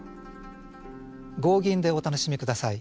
合吟でお楽しみください。